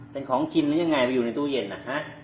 เป็นของกินหรือยังไงไปอยู่ในตู้เย็นอ่ะฮะ